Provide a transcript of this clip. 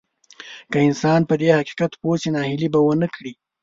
که انسان په دې حقيقت پوه شي ناهيلي به ونه کړي.